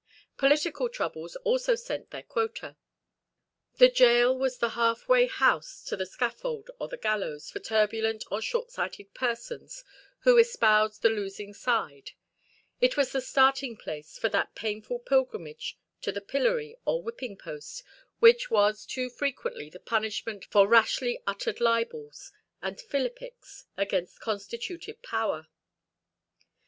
Political troubles also sent their quota. The gaol was the half way house to the scaffold or the gallows for turbulent or short sighted persons who espoused the losing side; it was the starting place for that painful pilgrimage to the pillory or whipping post which was too frequently the punishment for rashly uttered libels and philippics against constituted power.